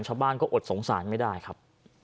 ชาวบ้านก็อดสงสารไม่ได้ครับ